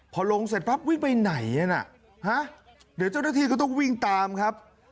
พอลงเสร็จปั๊บวิ่งไปไหนฮะเดี๋ยวเจ้าหน้าที่ก็ต้องวิ่งตามครับ